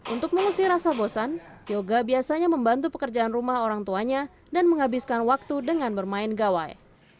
untuk mengusir rasa bosan yoga biasanya membantu pekerjaan rumah orang tuanya dan menghabiskan waktu dengan bermain gawai